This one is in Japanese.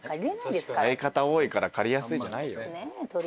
相方多いから借りやすいじゃないよ。